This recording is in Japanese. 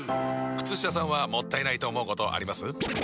靴下さんはもったいないと思うことあります？